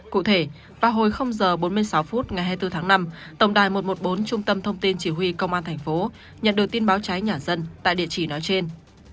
cụ thể vào hồi h bốn mươi sáu phút ngày hai mươi bốn tháng năm tổng đài một trăm một mươi bốn trung tâm thông tin chỉ huy công an thành phố nhận được tin báo cháy nhà dân tại địa chỉ nói trên